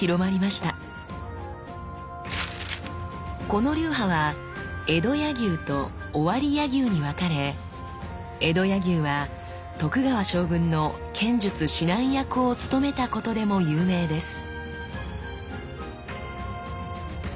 この流派は江戸柳生と尾張柳生に分かれ江戸柳生は徳川将軍の剣術指南役を務めたことでも有名です。